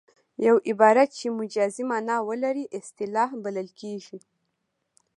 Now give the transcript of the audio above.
یو عبارت چې مجازي مانا ولري اصطلاح بلل کیږي